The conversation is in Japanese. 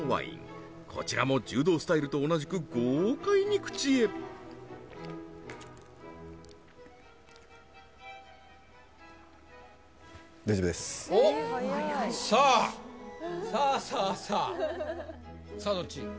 こちらも柔道スタイルと同じく豪快に口へおっさあさあさあさあ